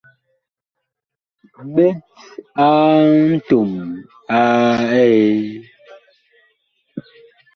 Ɓet a ntom a Eee.